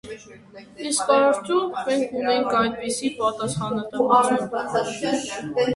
Իսկ արդյոք մենք ունե՞նք այդպիսի պատասխանատվություն։